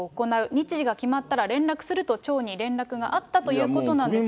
日時が決まったら連絡すると町に連絡があったということなんです